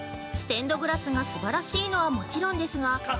ステンドグラスが素晴らしいのはもちろんですが。